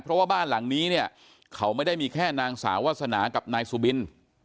เพราะว่าบ้านหลังนี้เนี่ยเขาไม่ได้มีแค่นางสาววาสนากับนายสุบิน